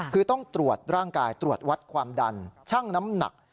คือต้องตรวจร่างกายตรวจวัดความดันชั่งน้ำหนัก